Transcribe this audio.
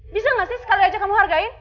bisa nggak sih sekali aja kamu hargain